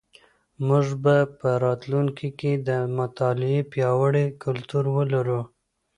مونږ به په راتلونکي کي د مطالعې پياوړی کلتور ولرو.